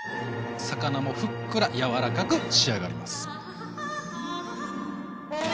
魚もふっくら柔らかく仕上がります。